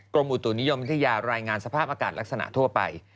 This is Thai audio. อุตุนิยมวิทยารายงานสภาพอากาศลักษณะทั่วไป